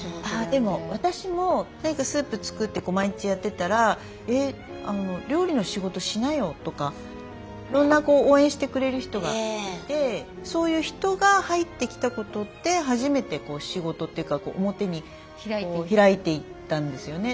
でも私も何かスープ作って毎日やってたら「料理の仕事しなよ」とかいろんな応援してくれる人がいてそういう人が入ってきたことで初めて仕事っていうか表に開いていったんですよね。